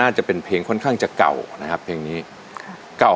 มีความรู้สึกว่ามีความรู้สึกว่ามีความรู้สึกว่า